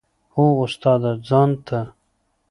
هو استاده ځان ته.